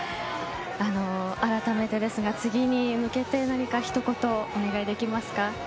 あらためて次に向けて何か一言お願いできますか。